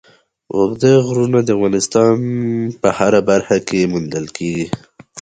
اوږده غرونه د افغانستان په هره برخه کې موندل کېږي.